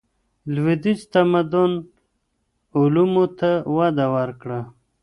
لوېدیځ تمدن علومو ته وده ورکړه.